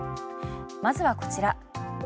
まずはこちら。